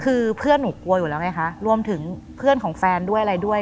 คือเพื่อนหนูกลัวอยู่แล้วไงคะรวมถึงเพื่อนของแฟนด้วยอะไรด้วย